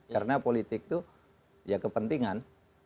karena politik itu ya kepentingan